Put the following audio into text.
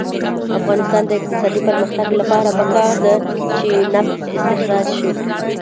د افغانستان د اقتصادي پرمختګ لپاره پکار ده چې نفت استخراج شي.